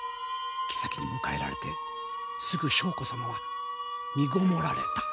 妃に迎えられてすぐ璋子様はみごもられた。